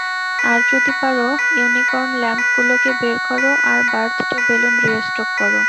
আর যদি পারো, ইউনিকর্ন ল্যাম্পগুলোকে বের কোরো আর বার্থডে বেলুন রি-স্টক কোরো।